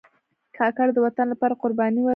کاکړ د وطن لپاره قربانۍ ورکړي.